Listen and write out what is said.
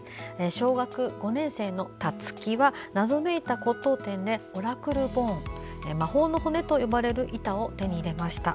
小学５年生の、たつきは謎めいた骨董店でオラクル・ボーン魔法のほねと呼ばれる板を手に入れました。